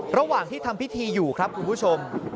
ระหว่างที่ทำพิธีอยู่ครับคุณผู้ชม